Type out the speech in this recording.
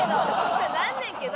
そうなんねんけど。